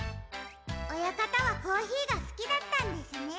おやかたはコーヒーがすきだったんですね。